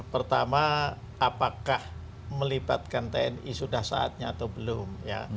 pertama apakah melibatkan tni sudah saatnya atau belum ya